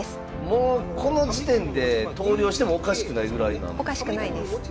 もうこの時点で投了してもおかしくないぐらいなんですよね？